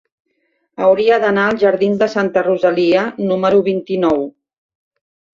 Hauria d'anar als jardins de Santa Rosalia número vint-i-nou.